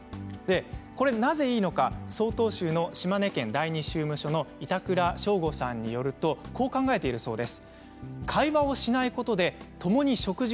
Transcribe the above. なぜいいのか、曹洞宗の島根県第二宗務所板倉省吾さんによるとこう考えているそうです。